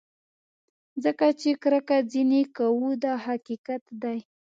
ځکه چې کرکه ځینې کوو دا حقیقت دی.